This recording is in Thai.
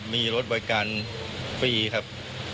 มีรถบริการฟรีครับ